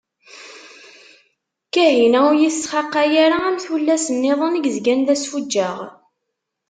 Kahina ur iyi-tesxaqay ara am tullas-niḍen i yezgan d asfuǧǧeɣ.